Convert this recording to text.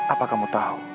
apa kamu tahu